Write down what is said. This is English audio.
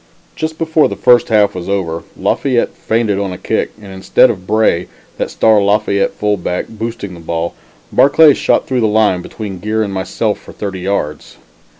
Just before the first half was over, Lafayette feinted on a kick, and instead of Bray, that star Lafayette fullback, boosting the ball, Barclay shot through the line between Geer and myself for thirty yards.